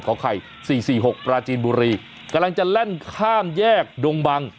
ไข่๔๔๖ปราจีนบุรีกำลังจะแล่นข้ามแยกดงบัง